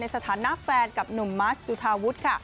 ในสถานหน้าแฟนกับหนุ่มมาร์ชดูทาวุท